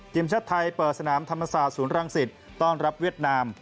ทีมชาติไทยเปิดสนามธรรมศาสตร์ศูนย์รังสิตต้อนรับเวียดนาม